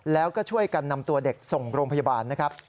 แล้วก็ช่วยกันนำตัวเด็กส่งโรงพยาบาลนะครับ